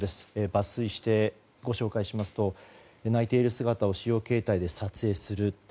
抜粋してご紹介しますと泣いている姿を私用携帯で撮影する。